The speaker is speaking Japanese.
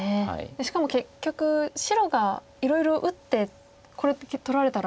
しかも結局白がいろいろ打ってこれだけ取られたら。